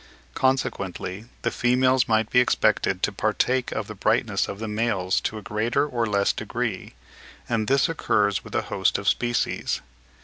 Consequently the females might be expected often to partake of the brightness of the males to a greater or less degree; and this occurs with a host of species.